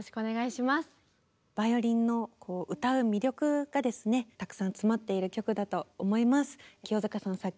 バイオリンの歌う魅力がですねたくさん詰まっている曲だと思います。